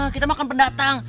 kita makan pendatang